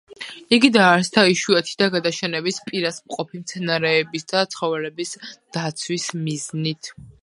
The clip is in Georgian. იგი დაარსდა იშვიათი და გადაშენების პირას მყოფი მცენარეების და ცხოველების დაცვის მიზნით.